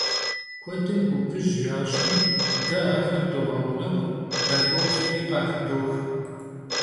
Kuedım gupıjj yaş'mi, de axer doğeunexu, daxoplheri, khaxıdox.